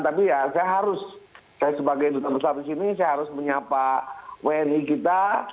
tapi ya saya harus saya sebagai duta besar di sini saya harus menyapa wni kita